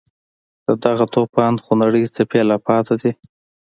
د دغه توپان خونړۍ څپې لا پاتې دي.